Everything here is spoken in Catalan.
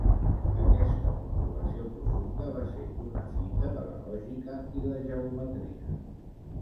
Aquesta comprovació profunda va ser una fita de la lògica i la geometria.